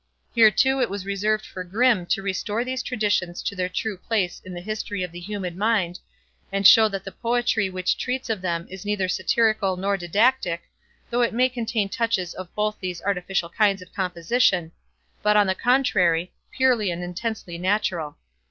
Here, too, it was reserved for Grimm to restore these traditions to their true place in the history of the human mind, and show that the poetry which treats of them is neither satirical nor didactic, though it may contain touches of both these artificial kinds of composition, but, on the contrary, purely and intensely natural.